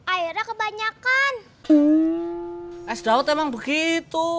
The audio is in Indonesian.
airnya kebanyakan es daud emang begitu